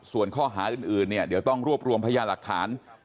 ส่วนข้อหาอื่นเนี่ยเดี๋ยวต้องรวบรวมพยาหลักฐาน